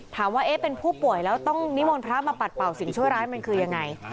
ว่าเป็นผู้ป่วยแล้วต้องนิมนต์พระมาปัดเป่าสิ่งชั่วร้ายมันคือยังไง